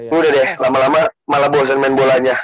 ini udah deh lama lama malah bosen main bolanya